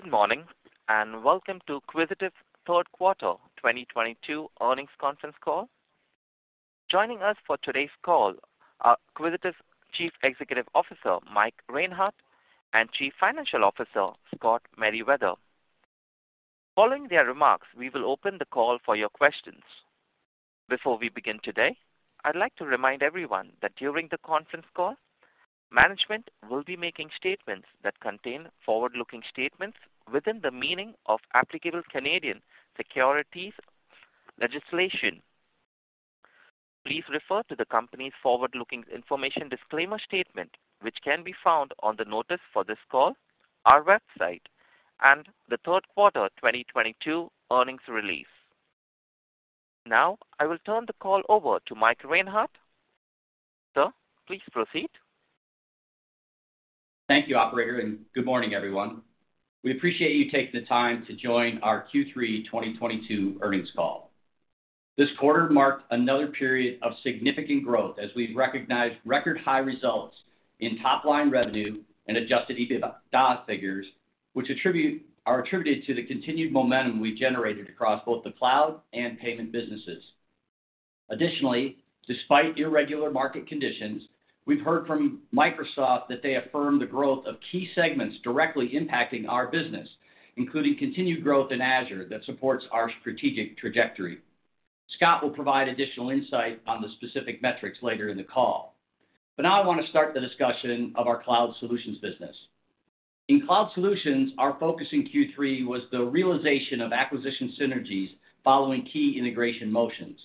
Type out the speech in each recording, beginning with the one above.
Good morning, and welcome to Quisitive's Q3 2022 earnings conference call. Joining us for today's call are Quisitive's Chief Executive Officer, Mike Reinhart, and Chief Financial Officer, Scott Meriwether. Following their remarks, we will open the call for your questions. Before we begin today, I'd like to remind everyone that during the conference call, management will be making statements that contain forward-looking statements within the meaning of applicable Canadian securities legislation. Please refer to the company's forward-looking information disclaimer statement, which can be found on the notice for this call, our website, and the Q3 2022 earnings release. Now I will turn the call over to Mike Reinhart. Sir, please proceed. Thank you, operator, and good morning, everyone. We appreciate you taking the time to join our Q3 2022 earnings call. This quarter marked another period of significant growth as we recognized record high results in top-line revenue and adjusted EBITDA figures, which are attributed to the continued momentum we generated across both the cloud and payment businesses. Additionally, despite irregular market conditions, we've heard from Microsoft that they affirm the growth of key segments directly impacting our business, including continued growth in Azure that supports our strategic trajectory. Scott will provide additional insight on the specific metrics later in the call. Now I want to start the discussion of our cloud solutions business. In cloud solutions, our focus in Q3 was the realization of acquisition synergies following key integration motions.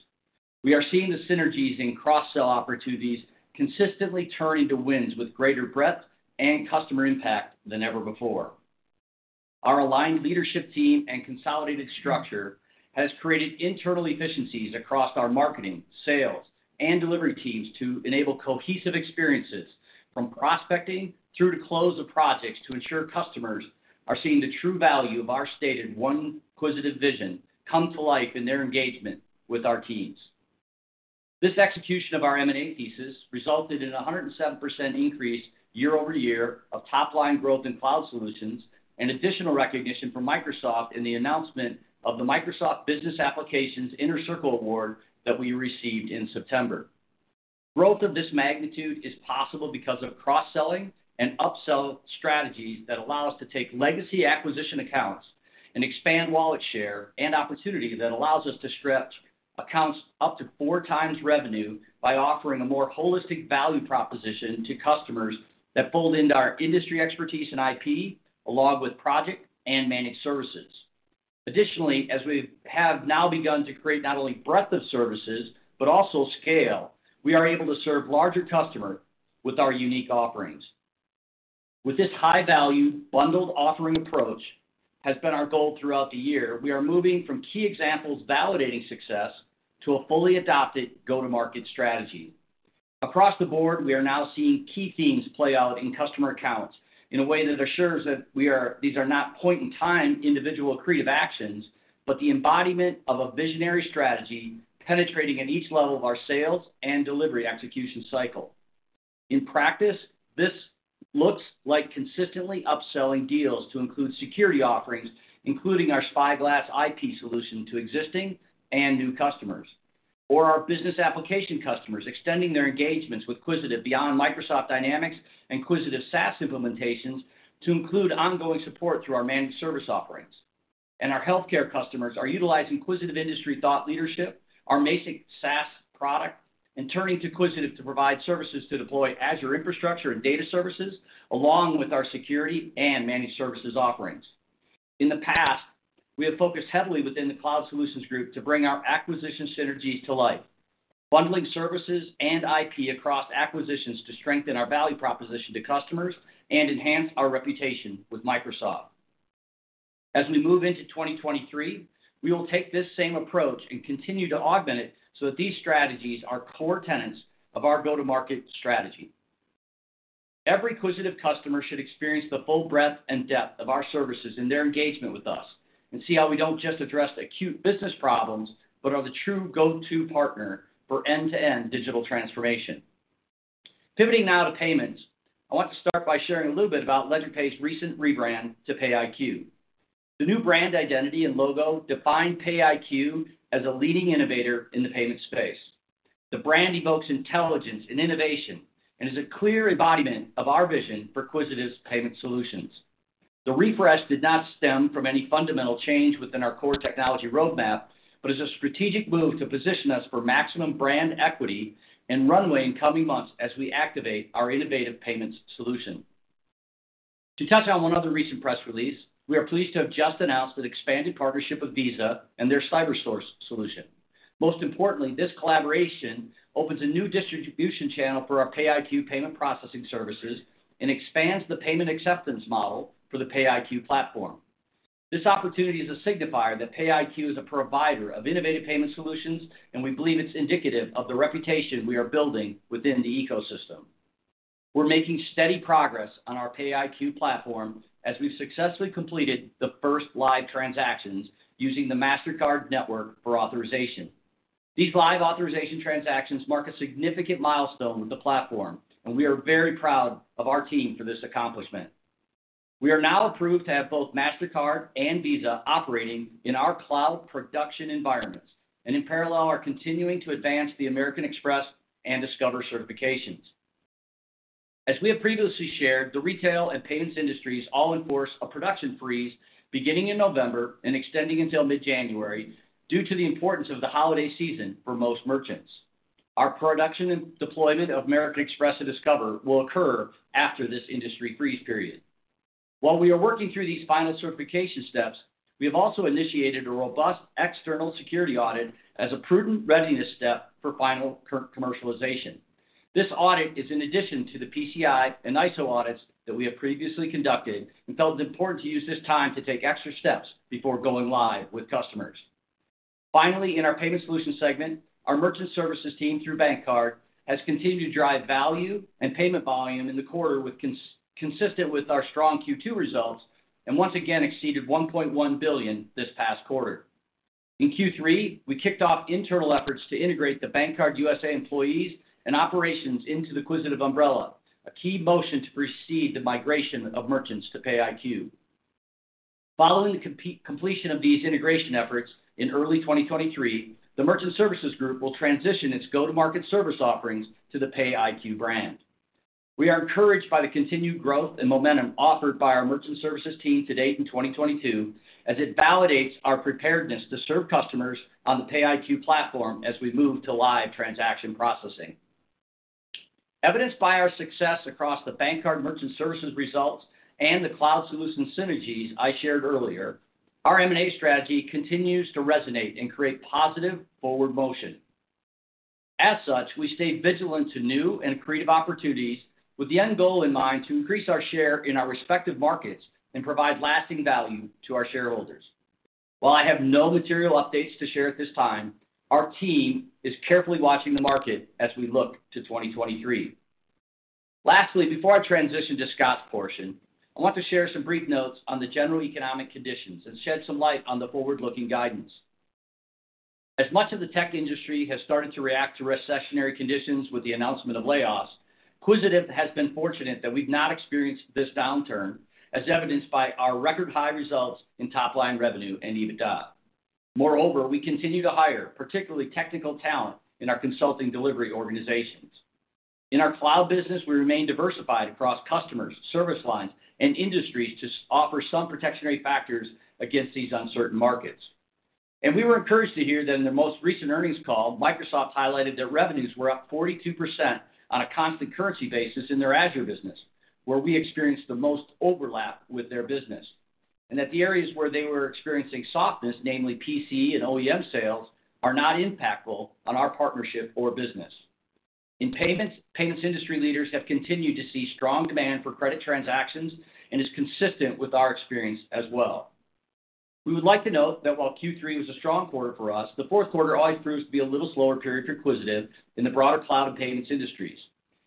We are seeing the synergies in cross-sell opportunities consistently turn into wins with greater breadth and customer impact than ever before. Our aligned leadership team and consolidated structure has created internal efficiencies across our marketing, sales, and delivery teams to enable cohesive experiences from prospecting through to close of projects to ensure customers are seeing the true value of our stated One Quisitive vision come to life in their engagement with our teams. This execution of our M&A thesis resulted in a 107% increase year-over-year of top-line growth in cloud solutions and additional recognition from Microsoft in the announcement of the Microsoft Business Applications Inner Circle award that we received in September. Growth of this magnitude is possible because of cross-selling and upsell strategies that allow us to take legacy acquisition accounts and expand wallet share and opportunity that allows us to stretch accounts up to 4x revenue by offering a more holistic value proposition to customers that fold into our industry expertise and IP along with project and managed services. Additionally, as we have now begun to create not only breadth of services but also scale, we are able to serve larger customer with our unique offerings. With this high-value bundled offering approach has been our goal throughout the year. We are moving from key examples validating success to a fully adopted go-to-market strategy. Across the board, we are now seeing key themes play out in customer accounts in a way that assures that these are not point-in-time individual creative actions, but the embodiment of a visionary strategy penetrating at each level of our sales and delivery execution cycle. In practice, this looks like consistently upselling deals to include security offerings, including our Spyglass IP solution to existing and new customers. Our business application customers extending their engagements with Quisitive beyond Microsoft Dynamics and Quisitive SaaS implementations to include ongoing support through our managed service offerings. Our healthcare customers are utilizing Quisitive industry thought leadership, our MazikCare SaaS product, and turning to Quisitive to provide services to deploy Azure infrastructure and data services along with our security and managed services offerings. In the past, we have focused heavily within the cloud solutions group to bring our acquisition synergies to life, bundling services and IP across acquisitions to strengthen our value proposition to customers and enhance our reputation with Microsoft. As we move into 2023, we will take this same approach and continue to augment it so that these strategies are core tenets of our go-to-market strategy. Every Quisitive customer should experience the full breadth and depth of our services in their engagement with us, and see how we don't just address the acute business problems, but are the true go-to partner for end-to-end digital transformation. Pivoting now to payments. I want to start by sharing a little bit about LedgerPay's recent rebrand to PayiQ. The new brand identity and logo define PayiQ as a leading innovator in the payment space. The brand evokes intelligence and innovation and is a clear embodiment of our vision for Quisitive's payment solutions. The refresh did not stem from any fundamental change within our core technology roadmap, but is a strategic move to position us for maximum brand equity and runway in coming months as we activate our innovative payments solution. To touch on one other recent press release, we are pleased to have just announced an expanded partnership with Visa and their CyberSource solution. Most importantly, this collaboration opens a new distribution channel for our PayiQ payment processing services and expands the payment acceptance model for the PayiQ platform. This opportunity is a signifier that PayiQ is a provider of innovative payment solutions, and we believe it's indicative of the reputation we are building within the ecosystem. We're making steady progress on our PayiQ platform as we've successfully completed the first live transactions using the Mastercard network for authorization. These live authorization transactions mark a significant milestone with the platform, and we are very proud of our team for this accomplishment. We are now approved to have both Mastercard and Visa operating in our cloud production environments, and in parallel are continuing to advance the American Express and Discover certifications. As we have previously shared, the retail and payments industries all enforce a production freeze beginning in November and extending until mid-January due to the importance of the holiday season for most merchants. Our production and deployment of American Express and Discover will occur after this industry freeze period. While we are working through these final certification steps, we have also initiated a robust external security audit as a prudent readiness step for final commercialization. This audit is in addition to the PCI and ISO audits that we have previously conducted and felt it important to use this time to take extra steps before going live with customers. Finally, in our payment solutions segment, our merchant services team through BankCard has continued to drive value and payment volume in the quarter consistent with our strong Q2 results and once again exceeded $1.1 billion this past quarter. In Q3, we kicked off internal efforts to integrate the BankCard USA employees and operations into the Quisitive umbrella, a key motion to precede the migration of merchants to PayiQ. Following the completion of these integration efforts in early 2023, the merchant services group will transition its go-to-market service offerings to the PayiQ brand. We are encouraged by the continued growth and momentum offered by our merchant services team to date in 2022, as it validates our preparedness to serve customers on the PayiQ platform as we move to live transaction processing. Evidenced by our success across the BankCard merchant services results and the cloud solution synergies I shared earlier, our M&A strategy continues to resonate and create positive forward motion. As such, we stay vigilant to new and creative opportunities with the end goal in mind to increase our share in our respective markets and provide lasting value to our shareholders. While I have no material updates to share at this time, our team is carefully watching the market as we look to 2023. Lastly, before I transition to Scott's portion, I would like to share some brief notes on the general economic conditions and shed some light on the forward-looking guidance. As much of the tech industry has started to react to recessionary conditions with the announcement of layoffs, Quisitive has been fortunate that we've not experienced this downturn, as evidenced by our record high results in top-line revenue and EBITDA. Moreover, we continue to hire particularly technical talent in our consulting delivery organizations. In our cloud business, we remain diversified across customers, service lines, and industries to offer some protective factors against these uncertain markets. We were encouraged to hear that in the most recent earnings call, Microsoft highlighted their revenues were up 42% on a constant currency basis in their Azure business, where we experience the most overlap with their business, and that the areas where they were experiencing softness, namely PC and OEM sales, are not impactful on our partnership or business. In payments industry leaders have continued to see strong demand for credit transactions and is consistent with our experience as well. We would like to note that while Q3 was a strong quarter for us, the Q4 always proves to be a little slower period for Quisitive in the broader cloud and payments industries.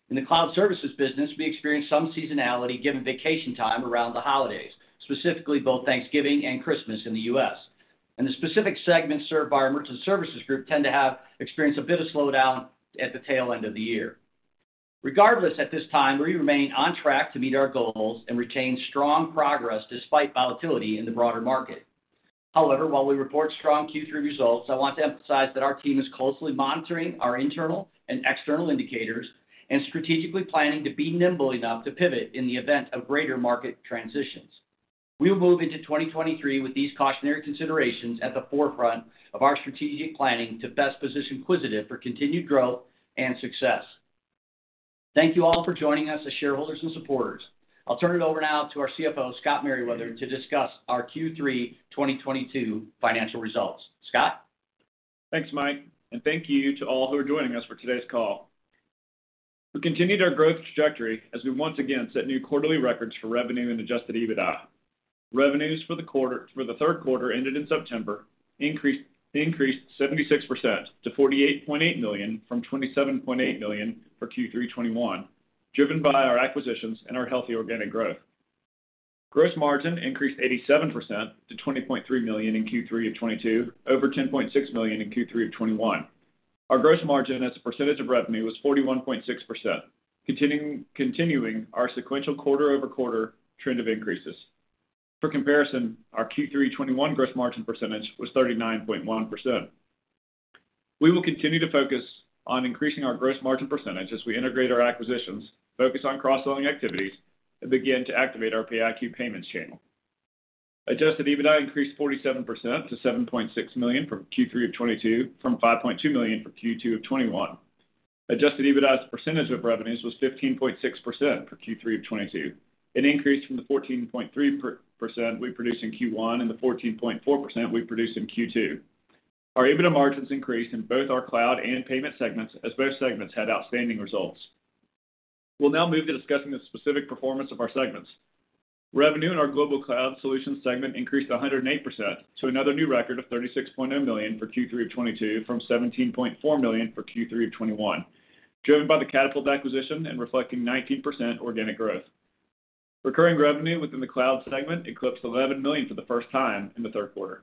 In the cloud services business, we experience some seasonality given vacation time around the holidays, specifically both Thanksgiving and Christmas in the U.S. The specific segments served by our merchant services group tend to have experienced a bit of slowdown at the tail end of the year. Regardless, at this time, we remain on track to meet our goals and retain strong progress despite volatility in the broader market. However, while we report strong Q3 results, I want to emphasize that our team is closely monitoring our internal and external indicators and strategically planning to be nimble enough to pivot in the event of greater market transitions. We will move into 2023 with these cautionary considerations at the forefront of our strategic planning to best position Quisitive for continued growth and success. Thank you all for joining us as shareholders and supporters. I'll turn it over now to our CFO, Scott Meriwether, to discuss our Q3 2022 financial results. Scott? Thanks, Mike, and thank you to all who are joining us for today's call. We continued our growth trajectory as we once again set new quarterly records for revenue and adjusted EBITDA. Revenues for the Q3 ended in September increased 76% to 48.8 million from 27.8 million for Q3 2021, driven by our acquisitions and our healthy organic growth. Gross margin increased 87% to 20.3 million in Q3 of 2022 over 10.6 million in Q3 of 2021. Our gross margin as a percentage of revenue was 41.6% continuing our sequential quarter-over-quarter trend of increases. For comparison, our Q3 2021 gross margin percentage was 39.1%. We will continue to focus on increasing our gross margin percentage as we integrate our acquisitions, focus on cross-selling activities, and begin to activate our PayiQ payments channel. Adjusted EBITDA increased 47% to 7.6 million from Q3 of 2022, from 5.2 million from Q2 of 2021. Adjusted EBITDA as a percentage of revenues was 15.6% for Q3 of 2022, an increase from the 14.3% we produced in Q1 and the 14.4% we produced in Q2. Our EBITDA margins increased in both our cloud and payment segments as both segments had outstanding results. We'll now move to discussing the specific performance of our segments. Revenue in our Global Cloud Solutions segment increased 108% to another new record of 36.0 million for Q3 of 2022 from 17.4 million for Q3 of 2021, driven by the Catapult acquisition and reflecting 19% organic growth. Recurring revenue within the cloud segment eclipsed 11 million for the first time in the Q3.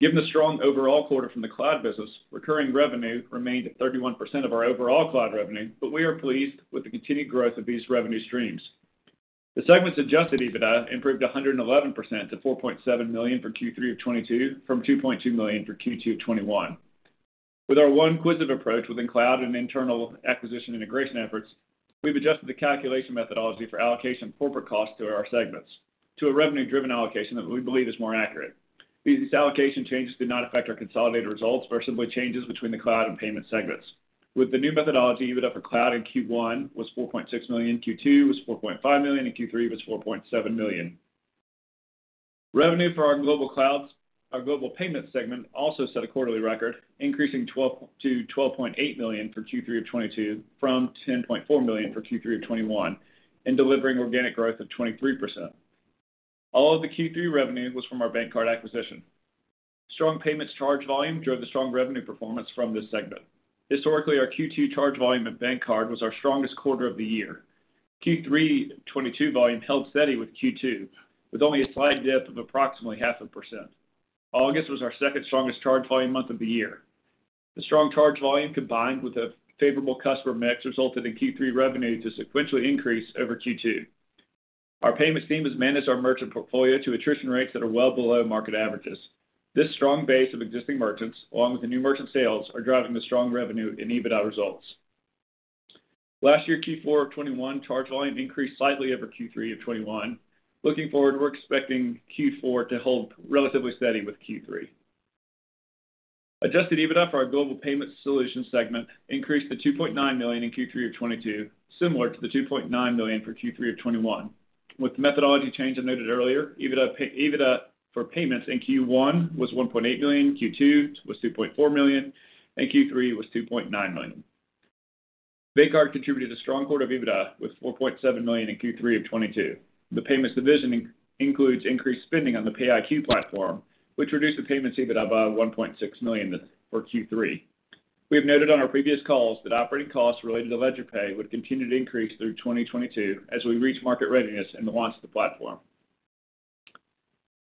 Given the strong overall quarter from the cloud business, recurring revenue remained at 31% of our overall cloud revenue, but we are pleased with the continued growth of these revenue streams. The segment's adjusted EBITDA improved 111% to 4.7 million for Q3 of 2022, from 2.2 million for Q2 of 2021. With our One Quisitive approach within Cloud and internal acquisition integration efforts, we've adjusted the calculation methodology for allocation corporate costs to our segments to a revenue-driven allocation that we believe is more accurate. These allocation changes did not affect our consolidated results, but are simply changes between the Cloud and Payments segments. With the new methodology, EBITDA for Cloud in Q1 was 4.6 million, Q2 was 4.5 million, and Q3 was 4.7 million. Revenue for our Global Payments segment also set a quarterly record, increasing to 12.8 million for Q3 of 2022 from 10.4 million for Q3 of 2021, and delivering organic growth of 23%. All of the Q3 revenue was from our BankCard USA acquisition. Strong payments charge volume drove the strong revenue performance from this segment. Historically, our Q2 charge volume at BankCard was our strongest quarter of the year. Q3 2022 volume held steady with Q2, with only a slight dip of approximately 0.5%. August was our second strongest charge volume month of the year. The strong charge volume, combined with a favorable customer mix, resulted in Q3 revenue to sequentially increase over Q2. Our payments team has managed our merchant portfolio to attrition rates that are well below market averages. This strong base of existing merchants, along with the new merchant sales, are driving the strong revenue and EBITDA results. Last year, Q4 of 2021 charge volume increased slightly over Q3 of 2021. Looking forward, we're expecting Q4 to hold relatively steady with Q3. Adjusted EBITDA for our global payment solution segment increased to 2.9 million in Q3 of 2022, similar to the 2.9 million for Q3 of 2021. With the methodology change I noted earlier, EBITDA for payments in Q1 was 1.8 million, Q2 was 2.4 million, and Q3 was 2.9 million. BankCard contributed a strong quarter of EBITDA with $4.7 million in Q3 of 2022. The payments division includes increased spending on the PayiQ platform, which reduced the payments EBITDA by 1.6 million for Q3. We have noted on our previous calls that operating costs related to LedgerPay would continue to increase through 2022 as we reach market readiness and the launch of the platform.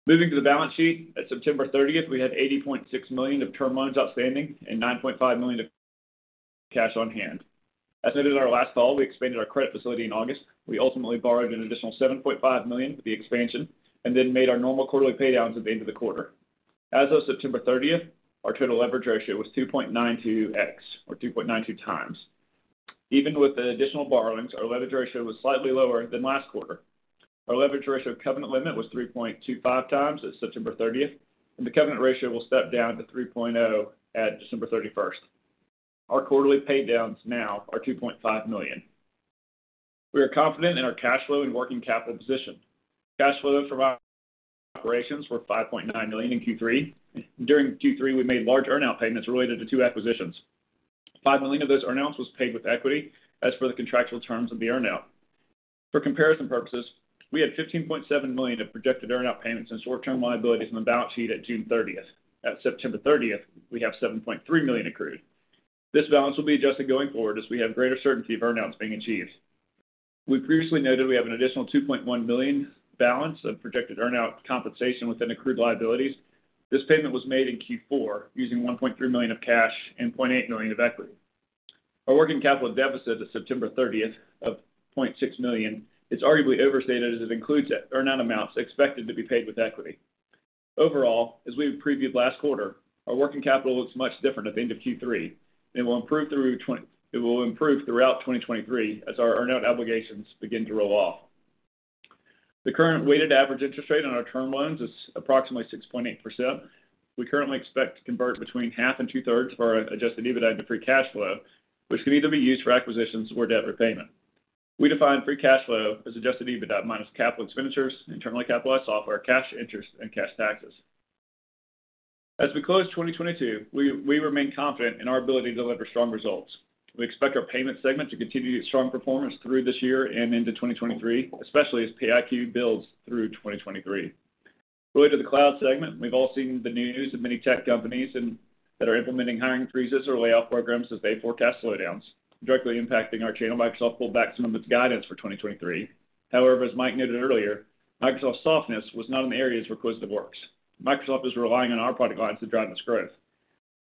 Moving to the balance sheet, at September 30, we had 80.6 million of term loans outstanding and 9.5 million of cash on hand. As noted in our last call, we expanded our credit facility in August. We ultimately borrowed an additional 7.5 million with the expansion and then made our normal quarterly paydowns at the end of the quarter. As of September 30th, our total leverage ratio was 2.92x or 2.92x. Even with the additional borrowings, our leverage ratio was slightly lower than last quarter. Our leverage ratio covenant limit was 3.25x as of September 30, and the covenant ratio will step down to 3.0x at December 31. Our quarterly paydowns now are 2.5 million. We are confident in our cash flow and working capital position. Cash flow from operations were 5.9 million in Q3. During Q3, we made large earn out payments related to two acquisitions. 5 million of those earn outs was paid with equity as per the contractual terms of the earn out. For comparison purposes, we had 15.7 million of projected earn out payments and short-term liabilities on the balance sheet at June 30. At September 30, we have 7.3 million accrued. This balance will be adjusted going forward as we have greater certainty of earn outs being achieved. We previously noted we have an additional 2.1 million balance of projected earn out compensation within accrued liabilities. This payment was made in Q4 using 1.3 million of cash and 0.8 million of equity. Our working capital deficit as of September 30 of 0.6 million is arguably overstated as it includes earn out amounts expected to be paid with equity. Overall, as we previewed last quarter, our working capital looks much different at the end of Q3. It will improve throughout 2023 as our earn out obligations begin to roll off. The current weighted average interest rate on our term loans is approximately 6.8%. We currently expect to convert between 1/2 and 2/3 of our adjusted EBITDA into free cash flow, which can either be used for acquisitions or debt repayment. We define free cash flow as adjusted EBITDA minus capital expenditures, internally capitalized software, cash interest, and cash taxes. As we close 2022, we remain confident in our ability to deliver strong results. We expect our payment segment to continue strong performance through this year and into 2023, especially as PayiQ builds through 2023. Related to the cloud segment, we've all seen the news of many tech companies that are implementing hiring freezes or layoff programs as they forecast slowdowns, directly impacting our channel. Microsoft pulled back some of its guidance for 2023. However, as Mike noted earlier, Microsoft's softness was not in the areas where Quisitive works. Microsoft is relying on our product lines to drive its growth.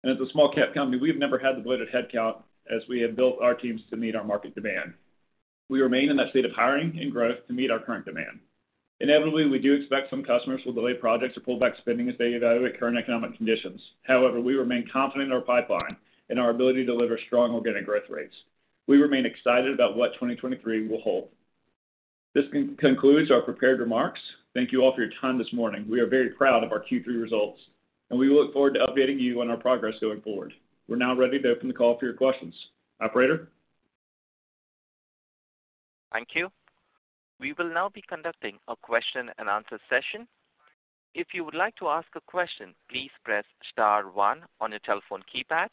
As a small cap company, we've never had the bloated headcount as we have built our teams to meet our market demand. We remain in that state of hiring and growth to meet our current demand. Inevitably, we do expect some customers will delay projects or pull back spending as they evaluate current economic conditions. However, we remain confident in our pipeline and our ability to deliver strong organic growth rates. We remain excited about what 2023 will hold. This concludes our prepared remarks. Thank you all for your time this morning. We are very proud of our Q3 results, and we look forward to updating you on our progress going forward. We're now ready to open the call for your questions. Operator? Thank you. We will now be conducting a question and answer session. If you would like to ask a question, please press star one on your telephone keypad.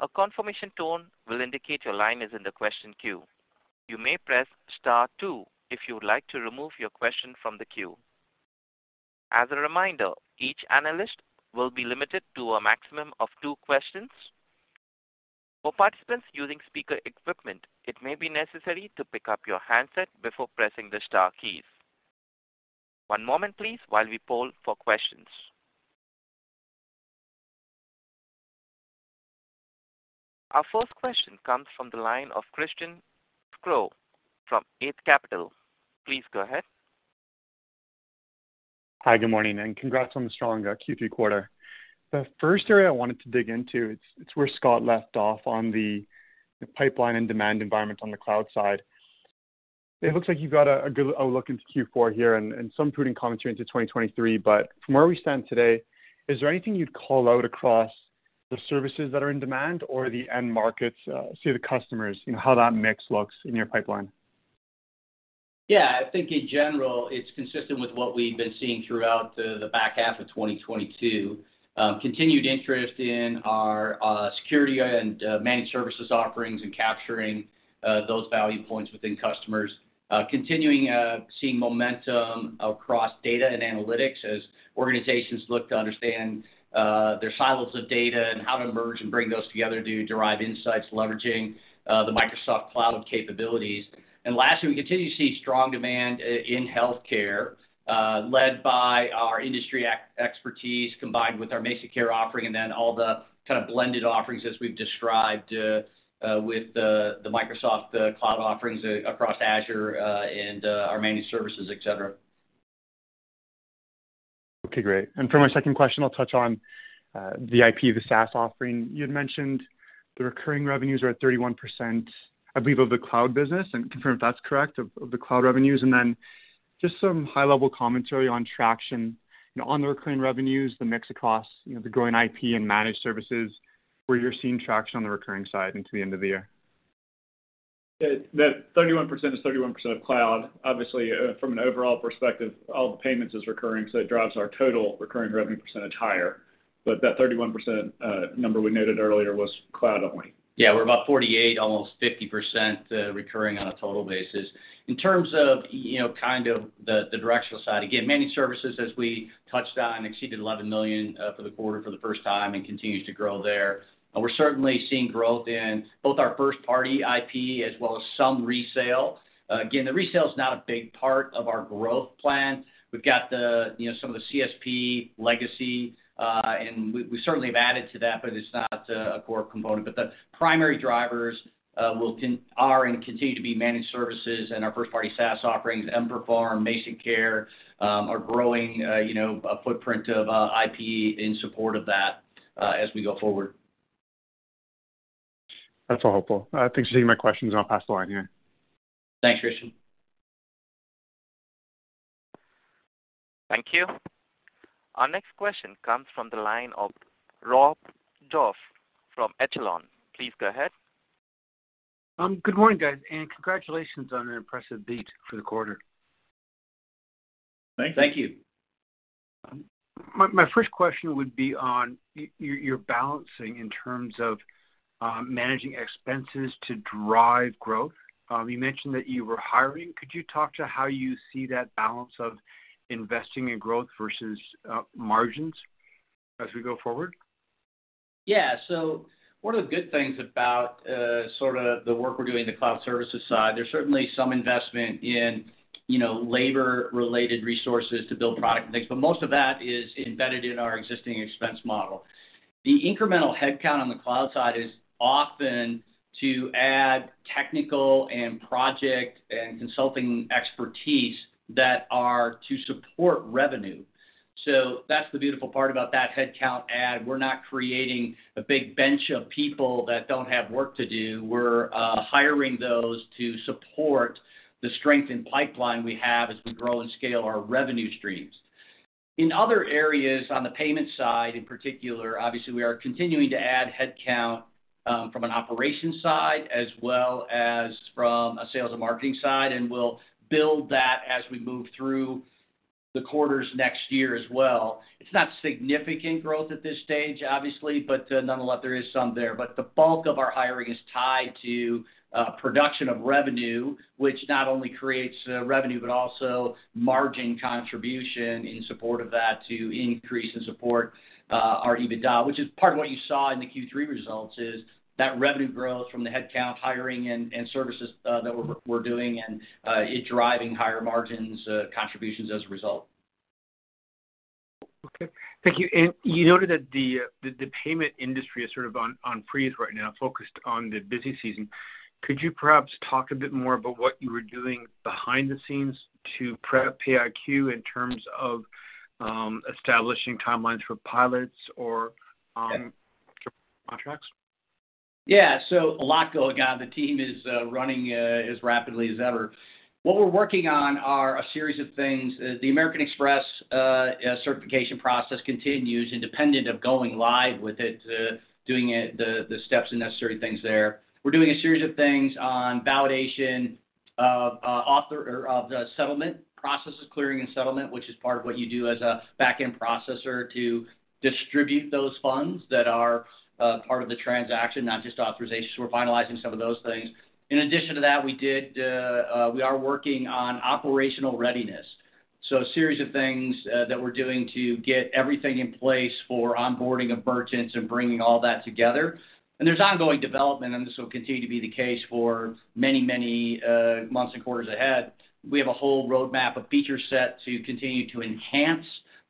A confirmation tone will indicate your line is in the question queue. You may press star two if you would like to remove your question from the queue. As a reminder, each analyst will be limited to a maximum of two questions. For participants using speaker equipment, it may be necessary to pick up your handset before pressing the star keys. One moment please while we poll for questions. Our first question comes from the line of Christian Sgro from Eight Capital. Please go ahead. Hi, good morning, and congrats on the strong Q3 quarter. The first area I wanted to dig into is where Scott left off on the pipeline and demand environment on the cloud side. It looks like you've got a good outlook into Q4 here and some prudent commentary into 2023. From where we stand today, is there anything you'd call out across the services that are in demand or the end markets, say, the customers, you know, how that mix looks in your pipeline? Yeah. I think in general, it's consistent with what we've been seeing throughout the back 1/2 of 2022. Continued interest in our security and managed services offerings and capturing those value points within customers. Continuing seeing momentum across data and analytics as organizations look to understand their silos of data and how to merge and bring those together to derive insights leveraging the Microsoft Cloud capabilities. Lastly, we continue to see strong demand in healthcare, led by our industry expertise combined with our MazikCare offering and then all the kind of blended offerings as we've described with the Microsoft cloud offerings across Azure and our managed services, etc. Okay, great. For my second question, I'll touch on the IP, the SaaS offering. You'd mentioned the recurring revenues are at 31%, I believe, of the cloud business. Confirm if that's correct, of the cloud revenues. Then just some high-level commentary on traction and on the recurring revenues, the mix across, you know, the growing IP and managed services, where you're seeing traction on the recurring side into the end of the year. Yeah. That 31% is 31% of cloud. Obviously, from an overall perspective, all the payments is recurring, so it drives our total recurring revenue percentage higher. That 31% number we noted earlier was cloud only. Yeah. We're about 48%, almost 50% recurring on a total basis. In terms of, you know, kind of the directional side, again, managed services, as we touched on, exceeded 11 million for the quarter for the first time and continues to grow there. We're certainly seeing growth in both our first party IP as well as some resale. Again, the resale is not a big part of our growth plan. We've got, you know, some of the CSP legacy, and we certainly have added to that, but it's not a core component. The primary drivers are and continue to be managed services and our first party SaaS offerings, emPerform, MazikCare, our growing footprint of IP in support of that as we go forward. That's all helpful. Thanks for taking my questions, and I'll pass the line here. Thanks, Christian. Thank you. Our next question comes from the line of Rob Goff from Echelon. Please go ahead. Good morning, guys, and congratulations on an impressive beat for the quarter. Thank you. Thank you. My first question would be on your balancing in terms of managing expenses to drive growth. You mentioned that you were hiring. Could you talk to how you see that balance of investing in growth versus margins as we go forward? Yeah. One of the good things about sorta the work we're doing in the cloud services side, there's certainly some investment in, you know, labor-related resources to build product and things, but most of that is embedded in our existing expense model. The incremental headcount on the cloud side is often to add technical and project and consulting expertise that are to support revenue. That's the beautiful part about that headcount add. We're not creating a big bench of people that don't have work to do. We're hiring those to support the strength in pipeline we have as we grow and scale our revenue streams. In other areas, on the payment side, in particular, obviously, we are continuing to add headcount from an operations side as well as from a sales and marketing side, and we'll build that as we move through the quarters next year as well. It's not significant growth at this stage, obviously, but nonetheless, there is some there. The bulk of our hiring is tied to production of revenue, which not only creates revenue but also margin contribution in support of that to increase and support our EBITDA, which is part of what you saw in the Q3 results, in that revenue growth from the headcount hiring and services that we're doing and it's driving higher margins contributions as a result. Okay. Thank you. You noted that the payment industry is sort of on freeze right now, focused on the busy season. Could you perhaps talk a bit more about what you were doing behind the scenes to prep PayiQ in terms of establishing timelines for pilots or contracts? Yeah. A lot going on. The team is running as rapidly as ever. What we're working on are a series of things. The American Express certification process continues independent of going live with it, doing it, the steps and necessary things there. We're doing a series of things on validation of authorization of the settlement processes, clearing and settlement, which is part of what you do as a back-end processor to distribute those funds that are part of the transaction, not just authorization. We're finalizing some of those things. In addition to that, we are working on operational readiness. A series of things that we're doing to get everything in place for onboarding of merchants and bringing all that together. There's ongoing development, and this will continue to be the case for many months and quarters ahead. We have a whole roadmap, a feature set to continue to enhance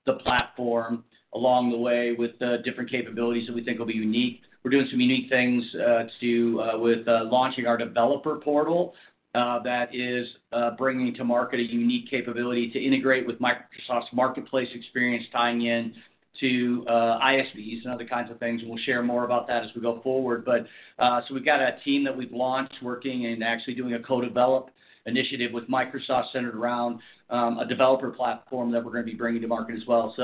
the platform along the way with the different capabilities that we think will be unique. We're doing some unique things with launching our developer portal that is bringing to market a unique capability to integrate with Microsoft's marketplace experience, tying in to ISVs and other kinds of things. We'll share more about that as we go forward. We've got a team that we've launched working and actually doing a co-develop initiative with Microsoft centered around a developer platform that we're gonna be bringing to market as well.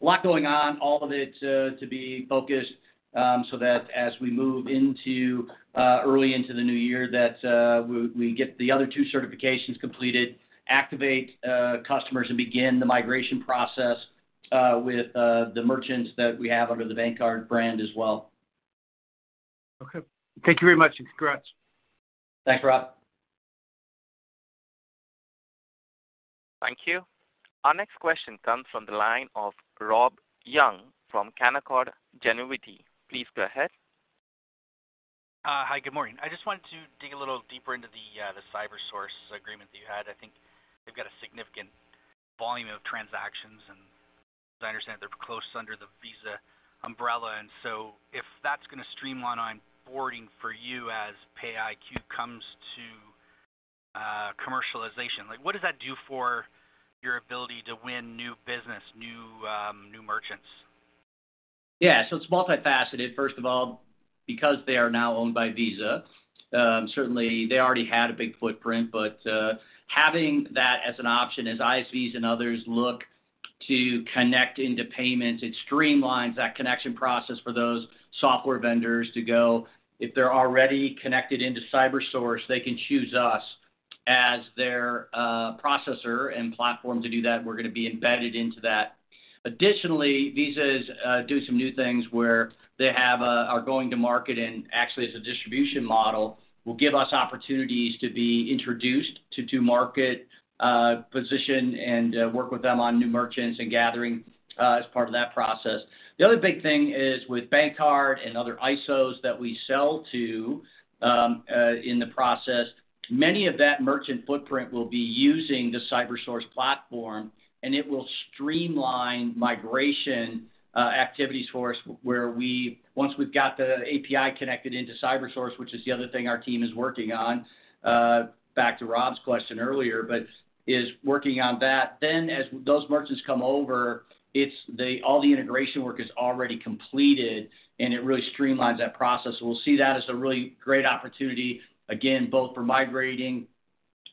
A lot going on, all of it to be focused so that as we move into early in the new year, that we get the other two certifications completed, activate customers and begin the migration process with the merchants that we have under the BankCard brand as well. Okay. Thank you very much, and congrats. Thanks, Rob. Thank you. Our next question comes from the line of Robert Young from Canaccord Genuity. Please go ahead. Hi. Good morning. I just wanted to dig a little deeper into the CyberSource agreement that you had. I think they've got a significant volume of transactions, and as I understand, they're close under the Visa umbrella. If that's gonna streamline onboarding for you as PayiQ comes to commercialization, like, what does that do for your ability to win new business, new mechants? Yeah. It's multifaceted. First of all, because they are now owned by Visa, certainly they already had a big footprint, but, having that as an option as ISVs and others look to connect into payments, it streamlines that connection process for those software vendors to go. If they're already connected into CyberSource, they can choose us as their, processor and platform to do that. We're gonna be embedded into that. Additionally, Visa is doing some new things where they are going to market and actually as a distribution model, will give us opportunities to be introduced to the market position and, work with them on new merchants and acquiring, as part of that process. The other big thing is with BankCard and other ISOs that we sell to, in the process, many of that merchant footprint will be using the CyberSource platform, and it will streamline migration activities for us where once we've got the API connected into CyberSource, which is the other thing our team is working on, back to Rob's question earlier, but is working on that. As those merchants come over, it's all the integration work is already completed, and it really streamlines that process. We'll see that as a really great opportunity, again, both for migrating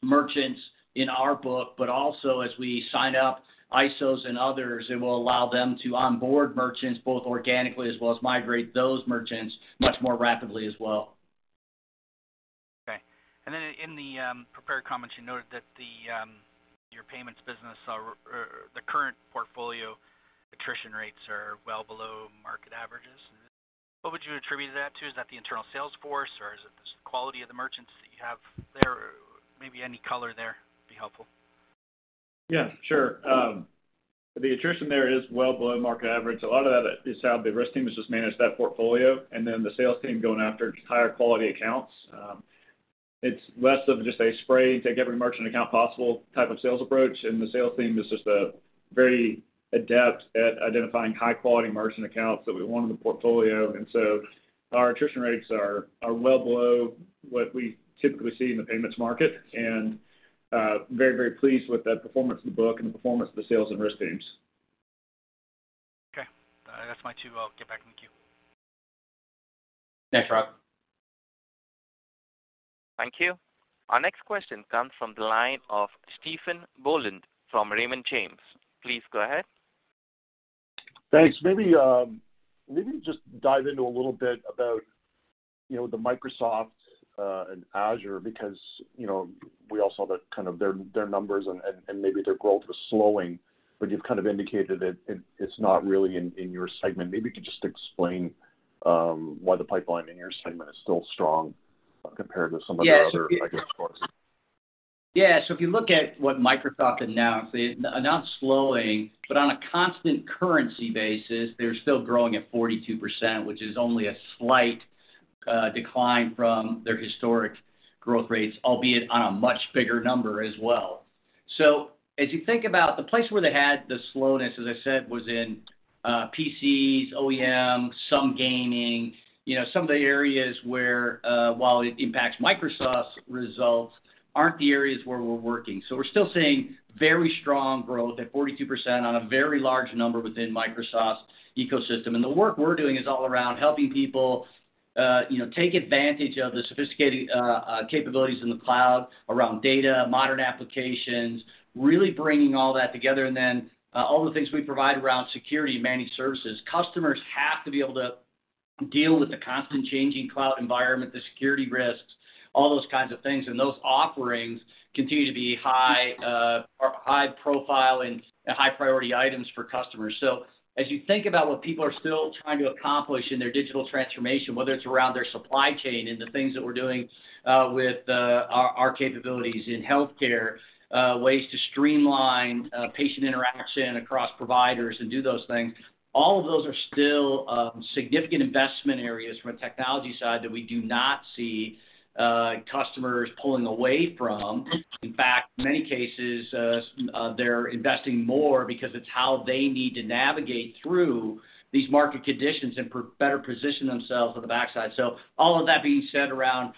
merchants in our book, but also as we sign up ISOs and others, it will allow them to onboard merchants both organically as well as migrate those merchants much more rapidly as well. Okay. In the prepared comments, you noted that your payments business or the current portfolio attrition rates are well below market averages. What would you attribute that to? Is that the internal sales force, or is it the quality of the merchants that you have there? Maybe any color there would be helpful. Yeah, sure. The attrition there is well below market average. A lot of that is how the risk team has just managed that portfolio, and then the sales team going after higher quality accounts. It's less of just a spray, take every merchant account possible type of sales approach. The sales team is just very adept at identifying high-quality merchant accounts that we want in the portfolio. Our attrition rates are well below what we typically see in the payments market, and very, very pleased with the performance of the book and the performance of the sales and risk teams. Okay. That's my two. I'll get back in the queue. Thanks, Rob. Thank you. Our next question comes from the line of Stephen Boland from Raymond James. Please go ahead. Thanks. Maybe just dive into a little bit about, you know, the Microsoft and Azure because, you know, we all saw that kind of their numbers and maybe their growth was slowing, but you've kind of indicated it's not really in your segment. Maybe you could just explain why the pipeline in your segment is still strong compared with some of your other- Yes I guess, cohorts. Yeah. If you look at what Microsoft announced, they announced slowing, but on a constant currency basis, they're still growing at 42%, which is only a slight decline from their historic growth rates, albeit on a much bigger number as well. As you think about the place where they had the slowness, as I said, was in PCs, OEM, some gaming, you know, some of the areas where while it impacts Microsoft's results aren't the areas where we're working. We're still seeing very strong growth at 42% on a very large number within Microsoft's ecosystem. The work we're doing is all around helping people, you know, take advantage of the sophisticated capabilities in the cloud around data, modern applications, really bringing all that together. All the things we provide around security, managed services. Customers have to be able to deal with the constant changing cloud environment, the security risks, all those kinds of things. Those offerings continue to be high or high profile and high priority items for customers. As you think about what people are still trying to accomplish in their digital transformation, whether it's around their supply chain and the things that we're doing with our capabilities in healthcare, ways to streamline patient interaction across providers and do those things, all of those are still significant investment areas from a technology side that we do not see customers pulling away from. In fact, in many cases, they're investing more because it's how they need to navigate through these market conditions and better position themselves on the backside. All of that being said around,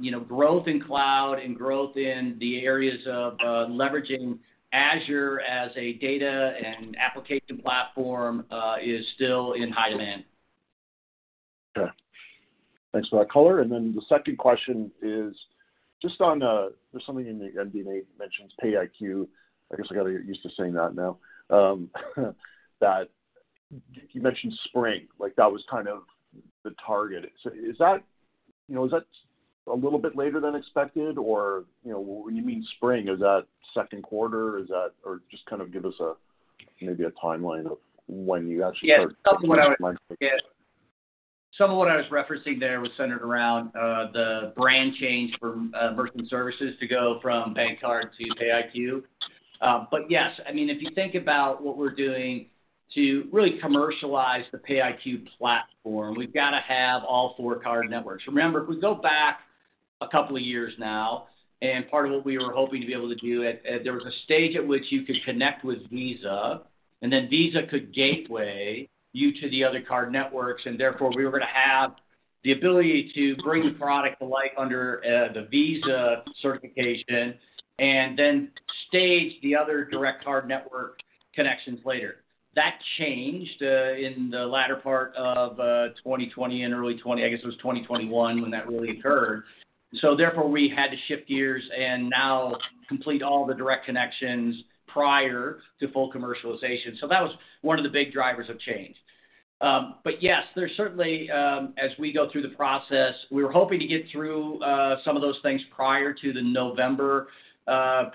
you know, growth in cloud and growth in the areas of leveraging Azure as a data and application platform is still in high demand. Okay. Thanks for that color. The second question is just on, there's something in the MD&A mentions PayiQ. I guess I gotta get used to saying that now. That you mentioned spring, like that was kind of the target. Is that, you know, is that a little bit later than expected or, you know, when you mean spring, is that Q2? Or just kind of give us maybe a timeline of when you actually start- Yeah. Some of what I was referencing there was centered around the brand change for merchant services to go from BankCard to PayiQ. Yes, I mean, if you think about what we're doing to really commercialize the PayiQ platform, we've got to have all four card networks. Remember, if we go back a couple of years now, and part of what we were hoping to be able to do, there was a stage at which you could connect with Visa, and then Visa could gateway you to the other card networks, and therefore we were gonna have the ability to bring product to life under the Visa certification and then stage the other direct card network connections later. That changed in the latter part of 2020 and early 2020. I guess it was 2021 when that really occurred. Therefore, we had to shift gears and now complete all the direct connections prior to full commercialization. That was one of the big drivers of change. Yes, there's certainly, as we go through the process, we were hoping to get through some of those things prior to the November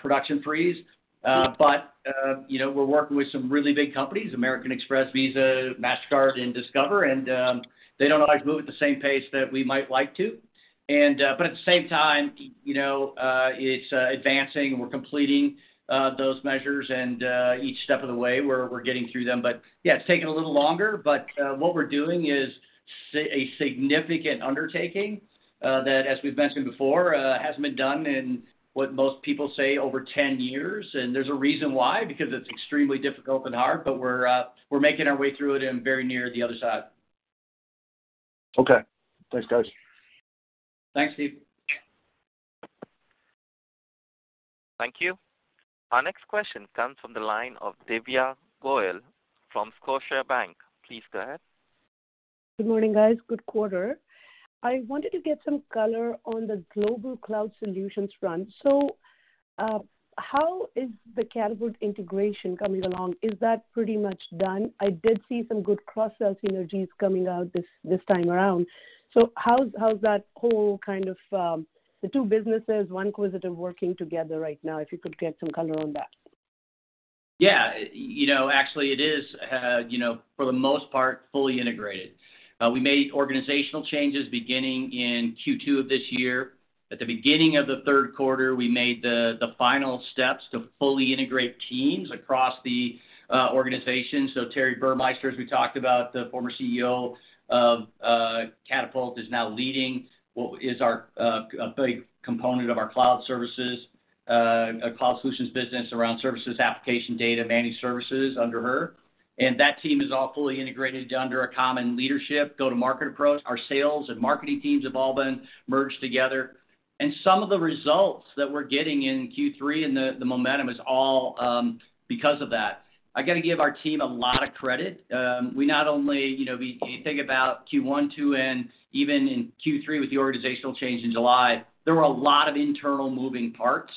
production freeze. You know, we're working with some really big companies, American Express, Visa, Mastercard, and Discover, and they don't always move at the same pace that we might like to. But at the same time, you know, it's advancing, we're completing those measures and each step of the way we're getting through them. Yeah, it's taking a little longer, but what we're doing is a significant undertaking that, as we've mentioned before, hasn't been done in what most people say over 10 years. There's a reason why, because it's extremely difficult and hard, but we're making our way through it and very near the other side. Okay. Thanks, guys. Thanks, Stephen. Thank you. Our next question comes from the line of Divya Goyal from Scotiabank. Please go ahead. Good morning, guys. Good quarter. I wanted to get some color on the Global Cloud Solutions front. How is the Catapult integration coming along? Is that pretty much done? I did see some good cross-sell synergies coming out this time around. How's that whole kind of the two businesses, One Quisitive working together right now, if you could get some color on that? Yeah. You know, actually it is, you know, for the most part, fully integrated. We made organizational changes beginning in Q2 of this year. At the beginning of the Q3, we made the final steps to fully integrate teams across the organization. Terri Burmeister, as we talked about, the former CEO of Catapult, is now leading what is a big component of our cloud services, cloud solutions business around services, application data, managed services under her. That team is all fully integrated under a common leadership go-to-market approach. Our sales and marketing teams have all been merged together. Some of the results that we're getting in Q3 and the momentum is all because of that. I gotta give our team a lot of credit. We not only if you think about Q1, Q2, and even in Q3 with the organizational change in July, there were a lot of internal moving parts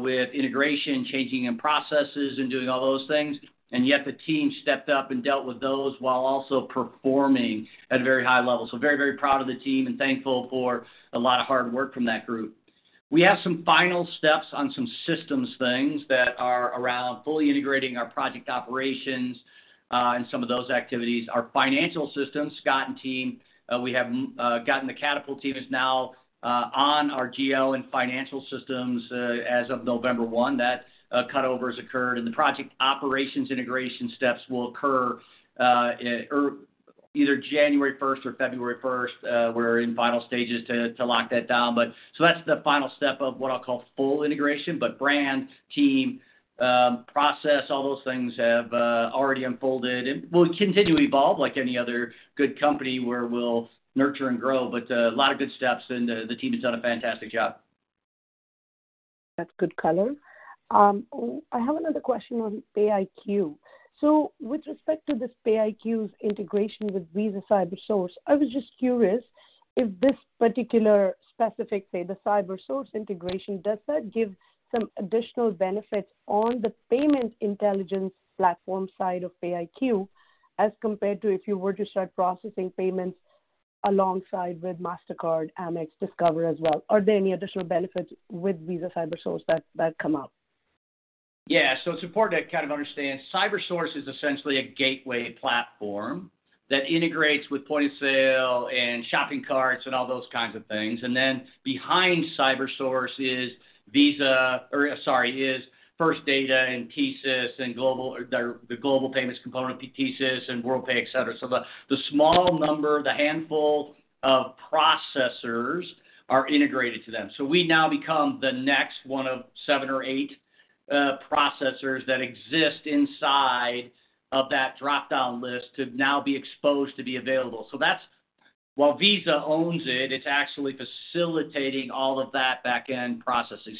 with integration, changing in processes and doing all those things, and yet the team stepped up and dealt with those while also performing at a very high level. Very, very proud of the team and thankful for a lot of hard work from that group. We have some final steps on some systems things that are around fully integrating our project operations and some of those activities. Our financial systems, Scott and team, we have gotten the Catapult team is now on our GL and financial systems as of November 1. That cut over has occurred, and the project operations integration steps will occur either January 1 or February 1. We're in final stages to lock that down. That's the final step of what I'll call full integration. Brand, team, process, all those things have already unfolded. We'll continue to evolve like any other good company where we'll nurture and grow. A lot of good steps, and the team has done a fantastic job. That's good color. I have another question on PayiQ. With respect to this PayiQ's integration with Visa CyberSource, I was just curious if this particular specific, say, the CyberSource integration, does that give some additional benefits on the payment intelligence platform side of PayiQ as compared to if you were to start processing payments Alongside with Mastercard, Amex, Discover as well. Are there any additional benefits with Visa CyberSource that come up? Yeah. It's important to kind of understand CyberSource is essentially a gateway platform that integrates with point-of-sale and shopping carts and all those kinds of things. Then behind CyberSource is Visa, sorry, is First Data and TSYS and the global payments component, TSYS and Worldpay, et cetera. The small number, the handful of processors are integrated to them. We now become the next one of seven processors or eight processors that exist inside of that dropdown list to now be exposed to be available. That's. While Visa owns it's actually facilitating all of that back-end processing.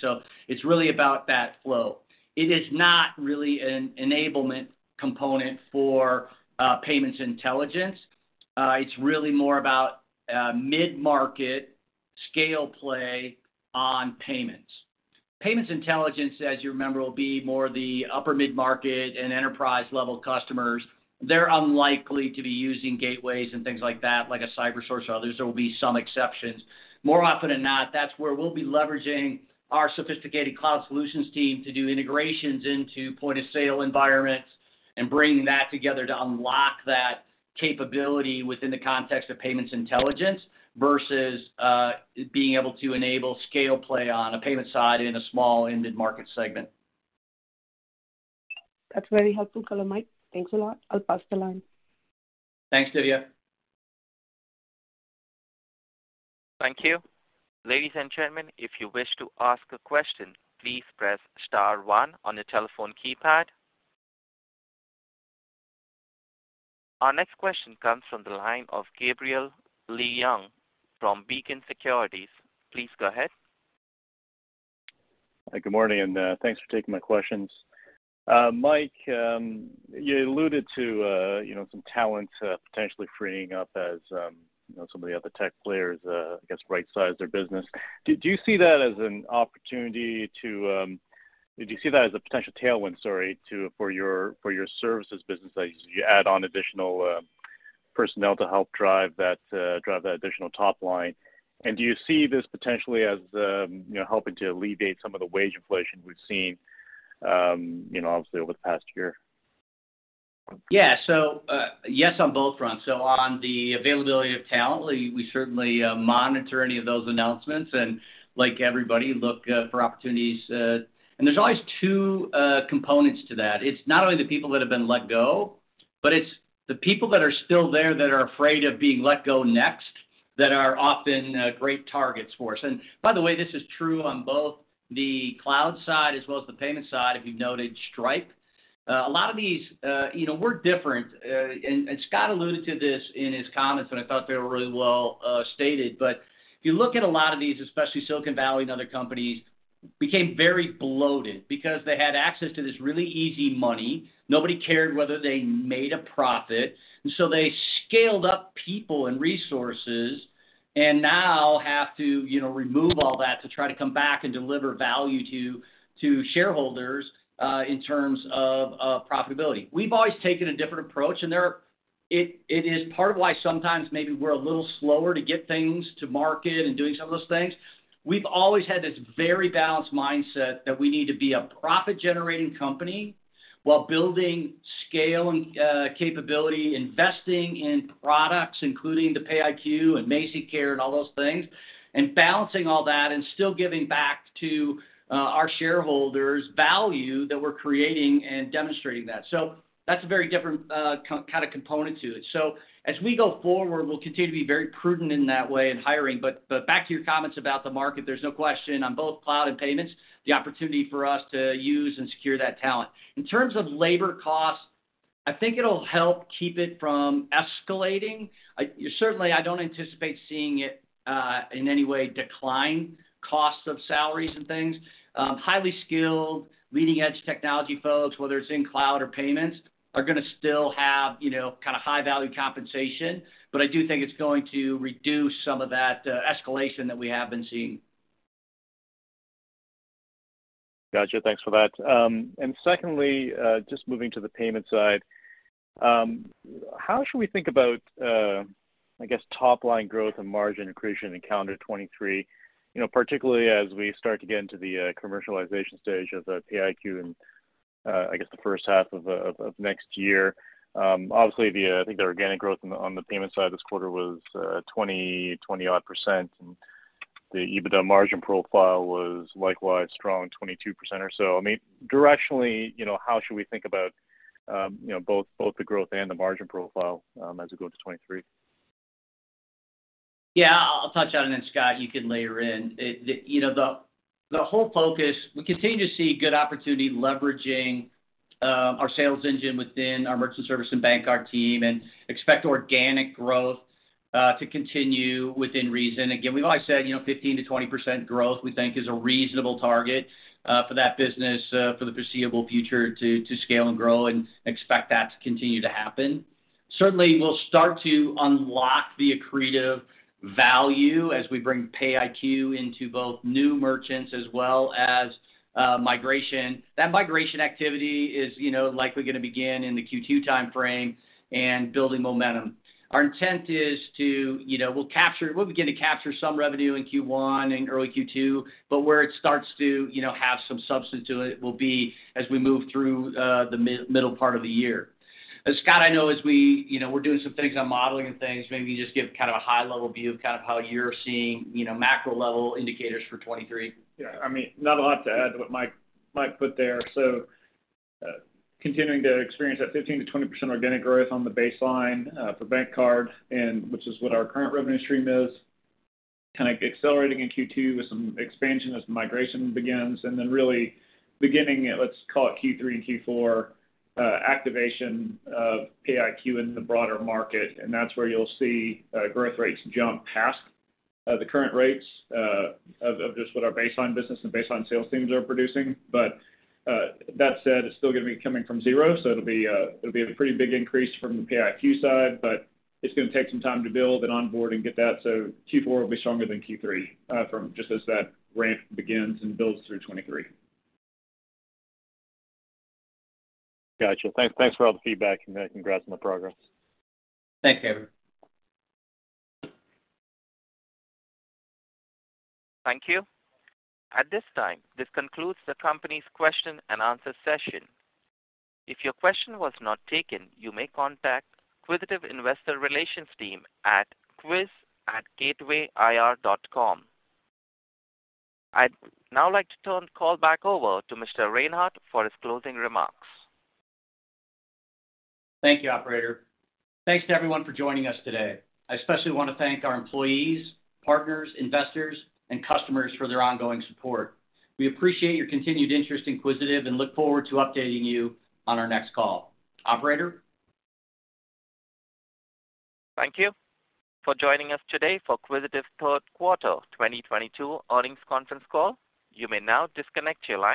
It's really about that flow. It is not really an enablement component for payments intelligence. It's really more about mid-market scale play on payments. Payments intelligence, as you remember, will be more the upper mid-market and enterprise-level customers. They're unlikely to be using gateways and things like that, like a CyberSource or others. There will be some exceptions. More often than not, that's where we'll be leveraging our sophisticated cloud solutions team to do integrations into point-of-sale environments and bringing that together to unlock that capability within the context of payments intelligence versus being able to enable scale play on a payment side in a small and mid-market segment. That's very helpful color, Mike. Thanks a lot. I'll pass the line. Thanks, Divya. Thank you. Ladies and gentlemen, if you wish to ask a question, please press star one on your telephone keypad. Our next question comes from the line of Gabriel Leung from Beacon Securities. Please go ahead. Hi, good morning, and thanks for taking my questions. Mike, you alluded to, you know, some talent potentially freeing up as, you know, some of the other tech players, I guess, rightsize their business. Do you see that as an opportunity to. Do you see that as a potential tailwind, sorry, to for your, for your services business as you add on additional personnel to help drive that additional top line? Do you see this potentially as, you know, helping to alleviate some of the wage inflation we've seen, you know, obviously over the past year? Yes, on both fronts. On the availability of talent, we certainly monitor any of those announcements and, like everybody, look for opportunities. There's always two components to that. It's not only the people that have been let go, but it's the people that are still there that are afraid of being let go next that are often great targets for us. By the way, this is true on both the cloud side as well as the payment side, if you've noted Stripe. A lot of these, you know, we're different. Scott alluded to this in his comments, and I thought they were really well stated. If you look at a lot of these, especially Silicon Valley and other companies became very bloated because they had access to this really easy money. Nobody cared whether they made a profit, and so they scaled up people and resources and now have to, you know, remove all that to try to come back and deliver value to shareholders in terms of profitability. We've always taken a different approach. It is part of why sometimes maybe we're a little slower to get things to market and doing some of those things. We've always had this very balanced mindset that we need to be a profit-generating company while building scale and capability, investing in products, including the PayiQ and MazikCare and all those things, and balancing all that and still giving back to our shareholders value that we're creating and demonstrating that. That's a very different kind of component to it. As we go forward, we'll continue to be very prudent in that way in hiring. Back to your comments about the market, there's no question on both cloud and payments, the opportunity for us to use and secure that talent. In terms of labor costs, I think it'll help keep it from escalating. Certainly, I don't anticipate seeing it in any way decline costs of salaries and things. Highly skilled, leading-edge technology folks, whether it's in cloud or payments, are gonna still have, you know, kinda high-value compensation. I do think it's going to reduce some of that escalation that we have been seeing. Gotcha. Thanks for that. Secondly, just moving to the payment side, how should we think about, I guess, top-line growth and margin accretion in calendar 2023, you know, particularly as we start to get into the commercialization stage of the PayiQ and, I guess the H1 of next year? Obviously, I think the organic growth on the payment side this quarter was 20-odd%, and the EBITDA margin profile was likewise strong, 22% or so. I mean, directionally, you know, how should we think about, you know, both the growth and the margin profile, as we go into 2023? Yeah, I'll touch on it and then, Scott, you can layer in. You know, the whole focus, we continue to see good opportunity leveraging our sales engine within our merchant service and BankCard team and expect organic growth to continue within reason. Again, we've always said, you know, 15%-20% growth we think is a reasonable target for that business for the foreseeable future to scale and grow and expect that to continue to happen. Certainly, we'll start to unlock the accretive value as we bring PayiQ into both new merchants as well as migration. That migration activity is, you know, likely gonna begin in the Q2 timeframe and building momentum. Our intent is to, you know, we'll begin to capture some revenue in Q1 and early Q2, but where it starts to, you know, have some substance to it will be as we move through the middle part of the year. Scott, I know as we, you know, we're doing some things on modeling and things, maybe just give kind of a high-level view of kind of how you're seeing, you know, macro level indicators for 2023. Yeah. I mean, not a lot to add to what Mike put there. Continuing to experience that 15%-20% organic growth on the baseline for BankCard, which is what our current revenue stream is. Kinda accelerating in Q2 with some expansion as the migration begins, and then really beginning at, let's call it Q3 and Q4, activation of PayiQ in the broader market, and that's where you'll see growth rates jump past the current rates of just what our baseline business and baseline sales teams are producing. That said, it's still gonna be coming from zero, so it'll be a pretty big increase from the PayiQ side, but it's gonna take some time to build and onboard and get that. Q4 will be stronger than Q3, from just as that ramp begins and builds through 2023. Gotcha. Thanks, thanks for all the feedback and congrats on the progress. Thank you. Thank you. At this time, this concludes the company's question and answer session. If your question was not taken, you may contact Quisitive investor relations team at QUIS@gatewayir.com. I'd now like to turn the call back over to Mr. Reinhart for his closing remarks. Thank you, operator. Thanks to everyone for joining us today. I especially wanna thank our employees, partners, investors, and customers for their ongoing support. We appreciate your continued interest in Quisitive and look forward to updating you on our next call. Operator? Thank you for joining us today for Quisitive's Q3 2022 earnings conference call. You may now disconnect your line.